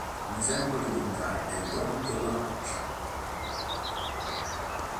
Un esempio elementare è Don de La Mancha.